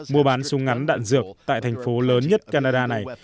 mua bán súng ngắn đạn dược tại thành phố lớn nhất canada này